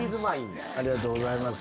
ありがとうございます。